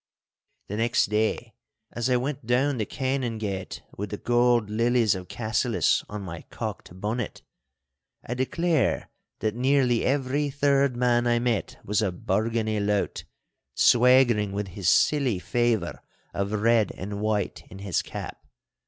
The next day, as I went down the Canongate with the gold lilies of Cassillis on my cocked bonnet, I declare that nearly every third man I met was a Bargany lout, swaggering with his silly favour of red and white in his cap.